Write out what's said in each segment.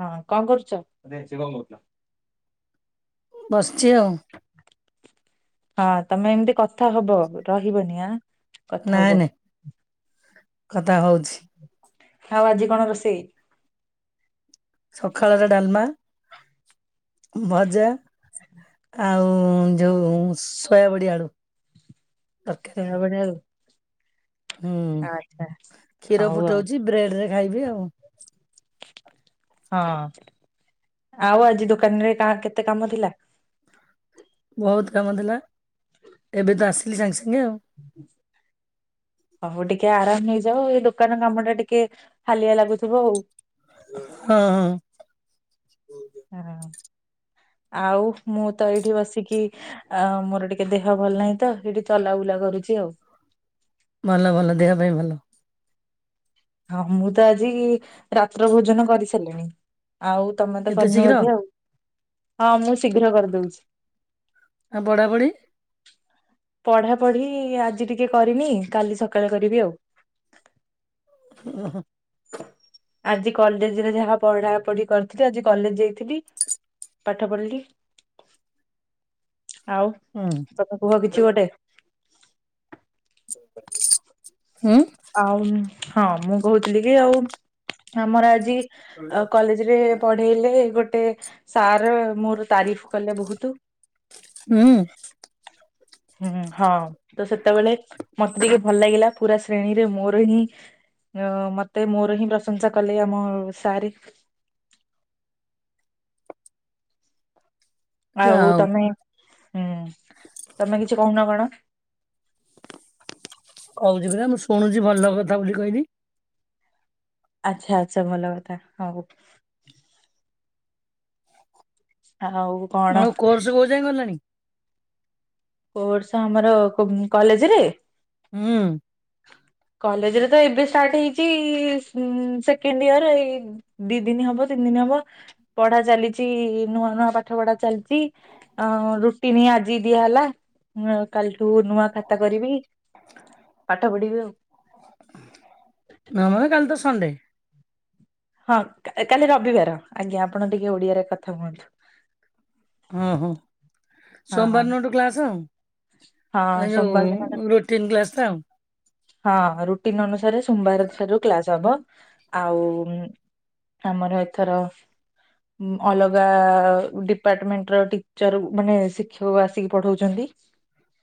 ହଁ କଣ କରୁଛ। ବସିଛି ଆଉ। ହଁ ତମେ ଏମିତି। କଥା ହବ ରହିବନି ଆ କଥା ନାଇଁ ହୁଅ। ନାଇଁ କଥା ହେଉଛି। ଆଉ ଆଜି କଣ ରୋଷେଇ। ସଖାଳର ଡାଲମା ଭଜା ଆଉ ଯୋଉ ସୋୟାବଡ଼ି ଆଳୁ ତରକାରୀ ସୋୟାବଡ଼ି ଆଳୁ ହୁଁ ଆଚ୍ଛା କ୍ଷୀର ହଉ ଆଉ ଫୁଟଉଛି ବ୍ରେଡରେ ଖାଇବି ଆଉ ହଁ ଆଉ ଆଜି ଦୋକାନରେ କା କେତେ କାମ ଥିଲା? ବହୁତ କାମ ଥିଲା ଏବେ ତ ଆସିଲି ସାଙ୍ଗେସା - ଅହଉ ଟିକେ ଆରାମ ନେଇଜ୍ ଯା ହେଉ ଏ ଦୋକାନ କାମ ଟା ଟିକେ ହାଲିଆ ଲାଗୁଥିବ ଆଉ ହଁ ଅ ଆ ହା ଆଉ ମୁଁ ତ ଏଇଠି ବସିକି ଆ ମୋର ଟିକେ ଦେହ ଭଲ ନାହିଁ ତ ଏଇଠି ଚଲାବୁଲା କରୁଛି ଆଉ ଭଲ ଭଲ ଦେହ ପାଇଁ ଭଲ ହଁ ମୁଁ ତ ଆଜି ରାତ୍ର ଭୋଜନ କରିସାରିଲିଣି ଆଉ ତମେ ତ ଏତେ କରିନ ଶୀଘ୍ର ବୋଧେ ଆଉ ହଁ ମୁଁ ଶୀଘ୍ର କରିଦଉଛି ଆଉ ପଢାପଢି ପଢ଼ାପଢ଼ି ଆଜି ଟିକେ କରିନି କାଲି ସକାଳେ କରିବି ଆଉ [unintelligible] ଆଜି କଲେଜରେ ଯାହା ପଢା ପଢି କରଥିଲି ଆଜି କଲେଜ ଯାଇଥିଲି ପାଠ ପଢିଲି ଆଉ ହୁଁ ତମେ କୁହ କିଛି ଗୋଟେ [unintelligible] ଆଉନ ହଁ ମୁଁ କହୁଥିଲିକି ଆଉ ଆମର ଆଜି ଅ କଲେଜ୍ ରେ ପଢେଇଲେ ଗୋଟ୍ ତେ ସାର୍ ମୋର ତାରିଫ୍ କଲେ ବହୁତୁ। ହୁଁ। ହୁଁ ହଁ। ତ ସେତେବେଳେ ମତେ ଟିକେ ଭଲ ଲାଗିଲା ପୁରା ଶ୍ରେଣୀରେ ମୋର ହିଁ ଅଁ ମତେ ମୋର ହିଁ ପ୍ରଶଂସା କଲେ ଆମ ଅ ସାରେ। ଯା ଆଉ ହଉ ତମେ ହୁଁ ତମେ କିଛି କହୁନ କଣ? କଉଚି ପରା ମୁଁ ଶୁଣୁଚି ଭଲ କଥା ବୋଲି କହିଲି। ଆଛା ଆଛା ଭଲ କଥା ହଉ। ଆଉ କଣ ଆଉ କୋର୍ସ କୋଉ ଯାଏଁ ଗଲାଣି? କୋର୍ସ ଆମର କୋ କଲେଜରେ? ହୁଁ। କଲେଜରେ ତ ଏବେ ଷ୍ଟାର୍ଟ ହେଇଚି ଉଁ ସେକେଣ୍ଡ ଇୟର ଏଇ ଦି ଦିନ ହବ ତିନି ଦିନ ହବ ପଢ଼ା ଚାଲିଚି ଇ ନୂଆ ନୂଆ ପାଠ ପଢ଼ା ଚାଲଚି। ଅଁ ରୁଟିନି ଆଜ୍ ଦିଆ ହେଲା। ନୂଆ କାଲିଠୁ ନୂଆ ଖାତା କରିବି ପାଠ ପଢିବି ଆଉ। ନହେଲେ କାଲି ତ ସଣ୍ଡେ ହଁ କା କାଲି ରବିବାର ଆଜ୍ଞା ଆପଣ ଟିକେ ଓଡିଆରେ କଥା ହୁଅନ୍ତୁ। ଉଁ ହୁଁ। ସୋମବାର ଦିନଠୁ କ୍ଲାସ ଆଉ। ହଁ ଏ ସୋମବାର ଦିନ ଯୋଉ ରୋଟିନ କ୍ଲାସ ଟା ଆଉ। ହଁ ରୋଟିନ ଅନୁସାରେ ସୋମବାର ଠାରୁ କ୍ଲାସ ହବ। ଆଉ ଆମର ଏଥର ଅଲଗା ଉଁ ଡିପାର୍ଟମେଣ୍ଟ ର ଟିଚର ମାନେ ଶିକ୍ଷକ ଆସିକି ପଢଉଚନ୍ତି।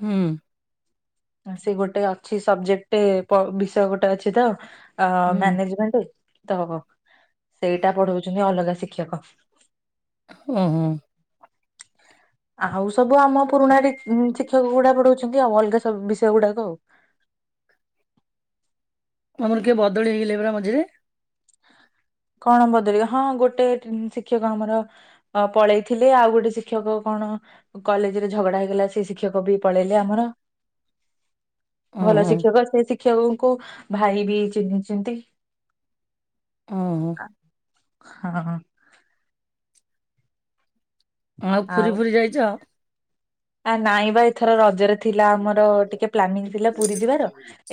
ହୁଁ। ସେ ଗୋଟେ ଅଛି ସବଜେକ୍ଟ ପ ବିଷୟ ଗୋଟେ ଅଛି ତ ଅ ହୁଁ ମ୍ୟାନେଜମେଣ୍ଟ ତ ହବ ସେଇଟା ପଢୋଉଚନ୍ତି ଅଲଗା ଶିକ୍ଷକ ଉଁ ହୁଁ। ଆହୁସୁ [unintelligible] ସବୁ ଆମ ପୁରୁଣା ଡିକ୍ସ ଚିକ୍ ଶିକ୍ଷକ ଗୁଡା ପଢୋଉଚନ୍ତି ଆଉ ଅଲଗା ସବୁ ବିଷୟ ଗୁଡାକ ଆଉ। ତମର କିଏ ବଦଳି ହେଇଗଲା ପରା ମଝିରେ? କଣ ବଦଳିବ ହଁ ହଁ ଟି ଗୋଟେ ଶିକ୍ଷକ ଆମର ପଳେଇଥିଲେ ଆଉ ଗୋଟେ ଶିକ୍ଷକ କଣ କଲେଜରେ ଝଗଡା ହେଇଗଲା ସେ ଶିକ୍ଷକ ବି ପଳେଇଲେ। ଆମର ଭଲ ଓହୋ ଶିକ୍ଷକ ସେ ଶି ଶିକ୍ଷକଙ୍କୁ ଭାଇ ବି ଚିହ୍ନିିଛନ୍ତି। ହଁ ହଁ। ହଁ। ହଁ ଆଉ ପୁରୀ ଫୁରୀ ଯାଇଛ। ଆ ନାଇଁ ବା ଏଥର ରଜରେ ଥିଲା ଆମର ଟିକେ ପ୍ଲାନିଙ୍ଗ ଥିଲା ପୁରୀ ଯିବାର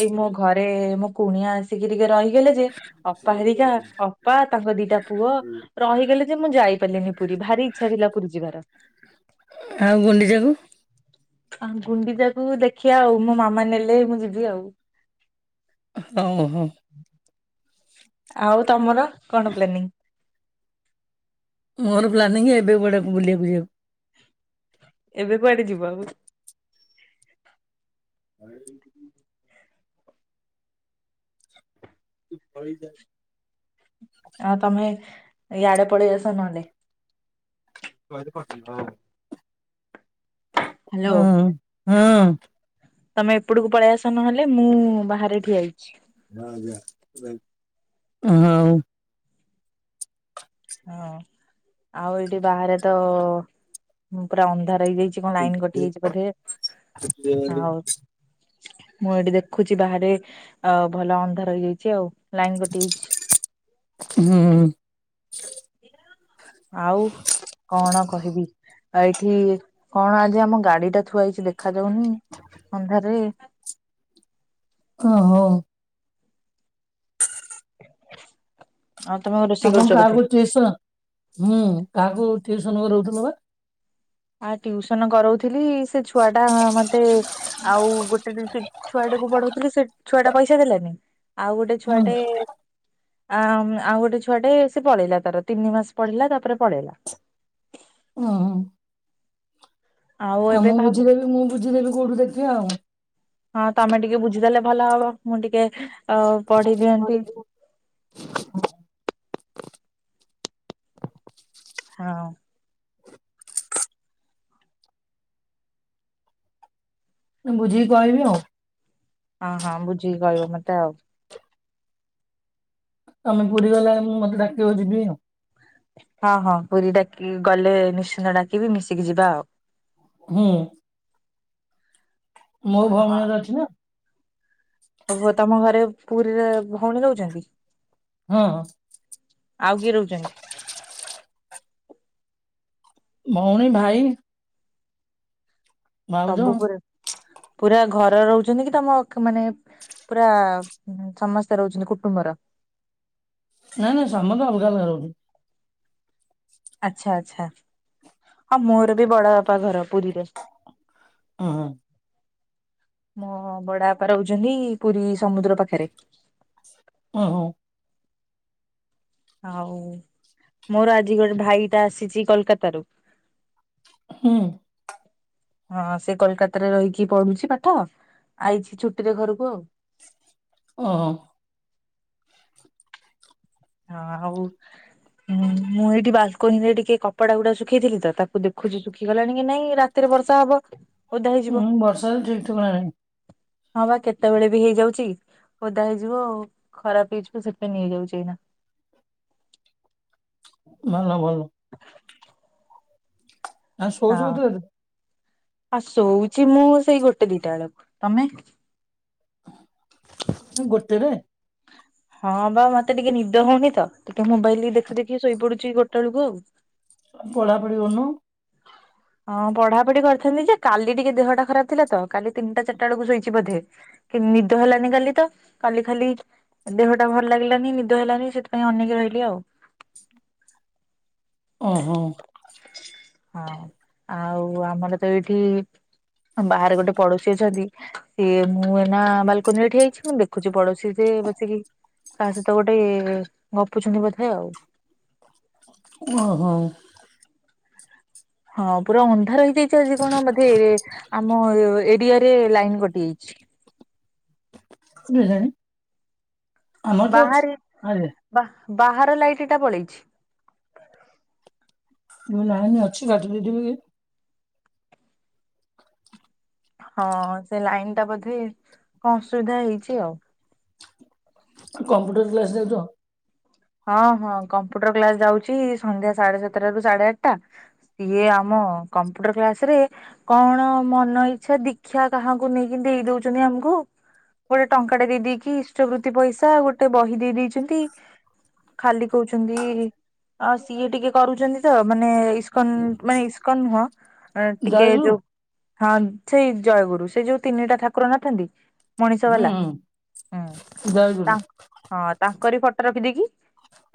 ଏଇ ମୋ ଘରେ ମୋ କୁଣିଆ ଆସିକି ଟିକେ ରହି ଯେ ଅପା ହେରିକା ଅପା ତାଙ୍କ ଦିଟା ପୁଅ ରହିଗଲେ ଯେ ମୁଁ ଯାଇପାରିଲିନି ପୁରୀ ଭାରି ଇଚ୍ଛା ଥିଲା ପୁରୀ ଯିବାର। ଆଉ ଗୁଣ୍ଡିଚାକୁ ଗୁଣ୍ଡିଚାକୁ ଦେଖିବା ଆଉ ମୋ ମାମା ନେଲେ ମୁଁ ଯିବି ଆଉ ହଁ ହଉ। ଆଉ ତମର କଣ ପ୍ଲାନିଙ୍ଗ? ମୋର ପ୍ଲାନିଙ୍ଗ ଏବେ କୁଆଡେ ଗୋଟେ ବୁଲିବାକୁୁ ଯିବାକୁ। ଏବେ କୁଆଡେ ଯିବ ଆଉ? ସେ [inaudible] ଭରି ଯଏ। ଆ ତମେ ଏଇଆଡେପଳେଇ ଆସ ନହଲେ କହଦ ପ ହଉ [unintelligible] ହ୍ୟାଲୋ ହଁ। ହଁ। ତମେ ଏପଟକୁ ପଳେଇ ଆସ ନହେଲେ ମୁଁ ବାହାରେ ଠିଆ ହେଇଛି। ହଁ ଯା ହଉ ହଁ ଆଉ ଏଇଠି ବାହାରେ ତ ପୁରା ଅନ୍ଧାର ଏଇଯାଛି କଣ ଲାଇନ କଟିଯାଇଛି ବୋଧେ ଆଉ ମୁଁ ଏଇଠି ଦେଖୁଛି ବାହାରେ ଆଉ ଭଲ ମନ୍ଦ ରହିଯାଇଛି ଆଉ ଲାଇନ୍ କାଟି ଯାଇଛି। ହୁଁ ଆଉ କଣ କହିବି? ଆଉ ଏଇଠି କଣ ଆଜି ଆମ ଗାଡି ଟା ଥୁଆ ହେଇଛି ଦେଖ। ଦେଖାଯାଉନି ଅନ୍ଧାରେ ଓ ହୋ। ହ। ଆପଣ କାହାକୁ ଚିଂହିଚ ହଁ କାହାକୁ ଟିଉସନ ରହୁଥିଲୁ ପା ଆ ଟିଉସନ କରାଉଥିଲି ସେ ଛୁଆ ଟା ମତେ ଆଉ ଗୋଟେ ଛୁଆଟାକୁ ପଢଉଥିଲି ସେ ଛୁଆ ଟା ପଇସା ଦେଲାନି। ଆଉ ଗୋଟେ ହୁଁ ଛୁଆଟେ ଆ ଆଉ ଗୋଟେ ଛୁଆଟେ ସେ ପଳେଇଲା ତାର ତିନି ମାସ ପଢେଇିଲା ତାପରେ ପଳେଇଲା। ହୁଁ ଆଉ ଏବେ ମୁଁ କାହାକୁ ବୁଝିଦେବି ମୁଁ ବୁଝିଦେବି କୋଉଠୁ ଦେଖିବା ଆଉ ହଁ ତମେ ଟିକେ ବୁଝିଦେଲେ ଭଲ ହବ ମୁଁ ଟିକେ ଅ ପଢି ଦିଅନ୍ତି। ହଁ। ମୁ ବୁଝିକି କହିବି ଆଉ। ହଁ ହଁ ବୁଝିକି କହିବ ମତେ ଆଉ। ତମେ ପୁରୀ ଗଲା ମୁଁ ମତେ ଡାକିବମୁଯିବି ଆଉ। ହଁ ହଁ ପୁରୀ ଡାକି ଗଲେ ନିଶ୍ଚିୟ ଡାକିବି ମିଶିକି ଯିବା ଆଉ। ହୁଁ। ମୋ ଭଉଣୀ ଘର ଅଛି ନା ଓହ ତମ ଘରେ ପୁରୀରେ ଭଉଣୀ ରହୁଛନ୍ତି। ହଁ ଆଉ କିଏ ରହୁଛନ୍ତି ଭଉଣୀ, ଭାଇ ଭାଉଜ ସବୁ ପୁରା ପୁରା ଘ ରହୁଛନ୍ତି କି ତମ ମାନେ ପୁରା ସମସ୍ତେ ରହୁଛନ୍ତି କୁଟୁମ୍ବର ନାଇ ନାଇ ସମସ୍ତେ ଅଲଗା ଅଲଗା ରହୁଛୁ। ଆଚ୍ଛା ଆଚ୍ଛା ହଁ ମୋର ବି ବଡ ବାପା ଘର ପୁରୀରେ। ଅ ହ। ମୋ ବଡାପା ରହୁଛନ୍ତି ପୁରୀ ସମୁଦ୍ର ପାଖରେ। ଓ ହୋ। ଆଉ ମୋର ଆଜି ଗୋଟେ ଭାଇଟା ଆସିଛି କୋଲକାତା ରୁ ହୁଁ ହଁ ସେ କୋଲକାତାରେ ରହିକି ପଢୁଛି ପାଠ ଆଇଛି ଛୁଟିରେ ଘରକୁ ଆଉ। ଓହୋ। ହଁ ଆଉଁ ମୁଁ ଏଇଠି ବାଲକୋନିରେ ଟିକେ କପଡା ଗୁଡା ଶୁଖେଇଥିଲି ତ ତାକୁ ଦେଖୁଛି ଶୁଖିଗଲାଣି କି ନାଇଁ ରାତିରେ ବର୍ଷା ହବ ଓଦା ହେଇଯିବ ହୁଁ ବର୍ଷାର ଠିକ୍ ଠିକଣା ନାହିଁ। ହଁ ବା କେତେବେଳେ ବି ହେଇଯାଉଛି ଓଦା ହେଇଯିବ ଆଉ ଖରାପ ହେଇଯିବ ସେଥିପାଇଁ ନେଇଯାଉଛି ଏଇନା। ଭଲ ଭଲ। [inaudible] ଆଉ ଶୋଉଛ ହଁ [unintelligible] ଆଉ ଶୋଉଛି ମୁଁ ସେଇ ଗୋଟେ ଦିଟା ବେଳକୁ ତମେ ଗୋଟେରେ ହଁ ବା ମତେ ଟିକେ ନିଦ ହଉନି ତ ଟିକେ ମୋବାଇଲ ଦେଖ ଦେଖି ଶୋଇପଡୁଛି ଗୋଟେ ବେଳକୁ ଆଉ। ପଢ଼ା ପଢ଼ି କରୁନୁ। ହଁ ପଢାପଢି କରିଥାନ୍ତି ଯେ କାଲି ଟିକେ ଦେହଟା ଖରାପ ଥିଲା ତ କାଲି ତିନିଟା ଚାରିଟା ବେଳକୁ ଶୋଇଛି ବୋଧେ କି ନିଦ ହେଲାନି କାଲି ତ କାଲି ଖାଲି ଦେହଟା ଭଲ ଲାଗିଲାନି ନିଦ ହେଲାନି ସେଥିପାଇଁ ଅନେକି ରହିଲି ଆଉ। ଓ ହୋ। ହଁ। ଆଉ ଆମର ତ ଏଇଠି ବାହାରେ ଗୋଟେ ପଡୋଶୀ ଅଛନ୍ତି ଇଏ ମୁଁ ବାଲ୍ ଠିଆହେଇଛି ମୁଁ ଦେଖୁଛି ପଡୋଶୀ ଯେ ବସିକି କା ସହିତ ଗୋଟେ ଗପୁଛନ୍ତି ବୋଧେ ଆଉ। ଓହୋ। ହଁ ପୁରା ଅନ୍ଧାର ହେଯାଇ। କଣ ବଧେ ଆମ ଏରିଆରେ ଲାଇନ କଟି ଯାଇଛି। [inaudible] ଆମର ତ ଅଛି ବାହାରେ ଆଡେ। ବା ବାହାର ଲାଇଟ୍ ଟା ପଳେଇଛି। ମୁ ନାଇଁନି ଅଛି କାଟିଦଦିବ କି [inaudible] ହଁ ସେ ଲାଇନ ଟା ବୋଧେ କଣ ଅସୁବିଧା ହେଇଛି ଆଉ। କମ୍ପ୍ୟୁଟର କ୍ଲାସ ଯାଉଛ। ହଁ ହଁ କମ୍ପୁଟର କ୍ଲାସ ଯାଉଛି ସନ୍ଧ୍ୟା ସାଢେ ସାତଟା ରୁ ସାଢେ ଆଠଟା ସିଏ ଆମ କମ୍ପୁଟର କ୍ଲାସ ରେ କଣ ମନ ଇଚଛା ଦୀକ୍ଷା କାହାକୁ ନେଇକି ଦେଇ ଦଉଛନ୍ତି ଆମକୁ ଗୋଟେ ଟଙ୍କା ଟା ଦେଇ ଦେଇେଇକି ଇଷ୍ଟ ବୃତ୍ତି ପଇସା ଗୋଟେ ବହି ଦେଇ ଦେଇେଇଛନ୍ତି। ଖାଲି କହୁଛନ୍ତି ସିଏ ଟିକେ କରୁଛନ୍ତି ତ ମାନେ ଇସ୍କନ ମାନେ ଇସ୍କନ ନୁହଁ। ଟିକେ ଜୟଗୁରୁ। ଯଉ। ହଁ ସେଇ ଜୟଗୁରୁ, ସେ ଯୋଉ ତିନିଟା ଠାକୁର ନଥାନ୍ତି। ମଣିଷ ହୁଁ ବାଲା ହୁଁ ହଁ ଜୟଗୁରୁ ତାଙ୍କ ତା କରି ଫଟୋ ରଖିଦେଇକି।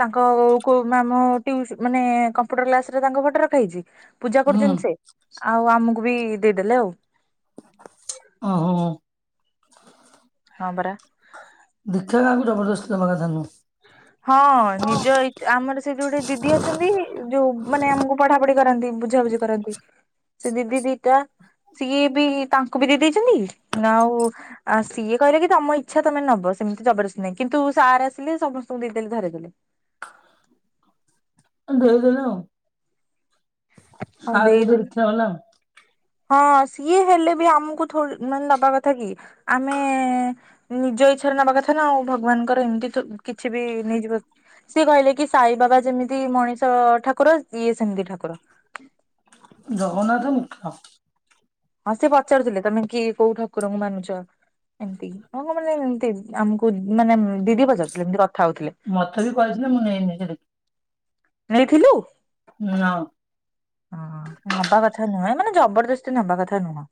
ତାଙ୍କ ଓଉ କୋଉ ମ୍ୟାମ୍ ଟ୍ୟୁସ୍ ମାନେ କମ୍ପ୍ୟୁଟର କ୍ଲାସରେ ତାଙ୍କ ଫଟୋ ରଖାହେଇଛି। ପୂଜା ହୁଁ କରୁଛନ୍ତି ସେ ଆଉ ଆମକୁ ବି ଦେଇଦେଲେ ଆଉ ଅ ହଁ। ହଁ ପରା। ଦେଖିବା କା କାହାକୁ ଜବରଦସ୍ତ ଦେବା କଥା ନୁହ। ହଁ ନିଜ ଇ ଆମର ସେ ଯୋଉ ଦିଦି ଅଛନ୍ତି ଯୋଉ ମାନେ ଆମକୁ ପଢାପଢି କରନ୍ତି, ବୁଝାବୁଝି କରନ୍ତି, ସେ ଦିଦି ଦିଟା ସିଏ ବି ତାଙ୍କୁ ବି ଦେଇ ଦେଇେଇଛନ୍ତି ଆଉ ସିଏ କହିଲେ କି ତମ ଇଚଛା ତମେ ନବ ସେମିତି ଜବରଦସ୍ତି ନାହିଁ କିନ୍ତୁ ସାର ଦେଲେ ସମସ୍ତଙ୍କୁ ଦେଇଦେଲେ ଧରେଇଦେଲେ। ଦେଇଦେଲେ ଆଉ। ହଁ ସାର୍ ବୋଧେ ଦେଇଦେଲେ ଇଚ୍ଛା ହେଲା। ହଁ ସିଏ ହେଲେ ବି ଆମକୁ ମାନେ ନବା କଥା କି? ଆମେ ନିଜ ଇଛାରେ ନବା କଥା ନା ଆଉ ଭଗବାନଙ୍କର ଏମିତି କିଛି ବି ନେଇଯିବ। ସିଏ କହିଲେ କି ସାଇ ବାବା ଯେମିତି ମଣିଷଠାକୁର ଇଏ ସେମିତି ଠାକୁର। ଜଗନ୍ନାଥ ମୁଖ। ହଁ ସେ ପଚାରୁଥିଲେ ତମେ କିଏ କୋଉ ଠାକୁରଙ୍କୁ ମାନୁଛ? ଏମିତି ହ କ ମାନେ ଏମତି ଆମକୁ ମାନେ ଦିଦି ପଚାରୁଥିଲେ ଏମତି ମତେ ବି କହିଥିଲେ ମୁଁ ନେଇ ନଥିଲି। ନେଇଥିଲୁ। ନା ହଁ ହବା କଥା ନୁହେଁ। ମାନେ ଜବରଦସ୍ତି ନବା କଥା ନୁହଁ।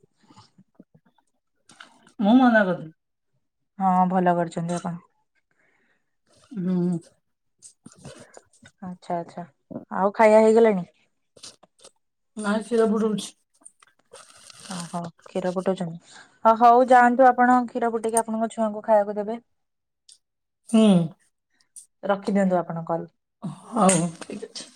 ମୁଁ ମନା କରିଥିଲି। ହଁ ଭଲ କରିଛନ୍ତି ଆପଣ। ହୁଁ। ଆଛା ଆଛା ଆଉ ଖାଇବା ହେଇଗଲାଣି। ନାଇଁ ସିଏ ସବୁ ରହୁଛି। ଅ ହ କ୍ଷୀର ଫୁଟଉଛନ୍ତି, ହଉ ଯାଆନ୍ତୁ ଆପଣ। କ୍ଷୀର ଫୁଟେଇକି ଆପଣଙ୍କ ଛୁଆଙ୍କୁ ଖାଇବାକୁ ଦେବେ। ହୁଁ ରଖିଦିଅନ୍ତୁ ଆପଣ କଲ୍। ହଉ ଠିକ୍ ଅଛି।